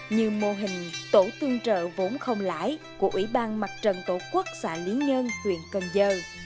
như mô hình tổ tương trợ vốn không lãi của ủy ban mặt trận tổ quốc xã lý nhơn huyện cần giờ